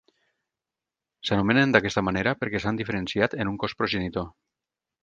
S'anomenen d'aquesta manera perquè s'han diferenciat en un cos progenitor.